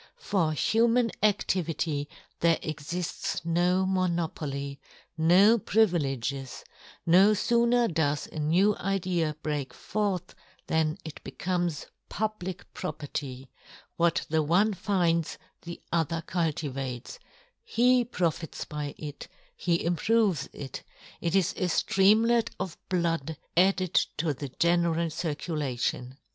For human adtivity there exifls no monopoly, no privileges ; no fooner does a new idea break forth than it becomes public property ; what the one finds, the other culti vates, he profits by it, he improves it, it is a ftreamlet of blood added to the general circulation.